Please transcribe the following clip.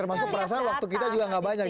termasuk perasaan waktu kita juga nggak banyak